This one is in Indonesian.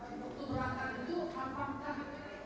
waktu berangkat itu apakah